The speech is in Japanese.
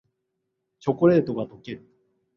チョコレートがとける